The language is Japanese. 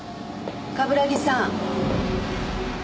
冠城さん。